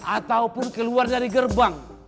ataupun keluar dari gerbang